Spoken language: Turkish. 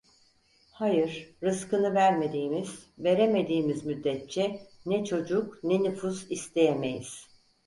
Hayır, rızkını vermediğimiz, veremediğimiz müddetçe ne çocuk, ne nüfus isteyemeyiz.